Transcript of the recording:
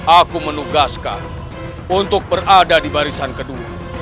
aku menugaskan untuk berada di barisan kedua